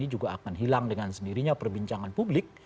juga akan hilang dengan sendirinya perbincangan publik